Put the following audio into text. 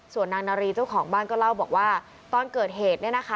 ส่วนนางนารีเจ้าของบ้านก็เล่าบอกว่าตอนเกิดเหตุเนี่ยนะคะ